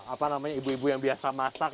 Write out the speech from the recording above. apa namanya ibu ibu yang biasa masak